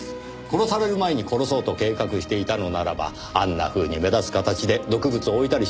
殺される前に殺そうと計画していたのならばあんなふうに目立つ形で毒物を置いたりしませんよ。